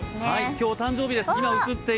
今日お誕生日です。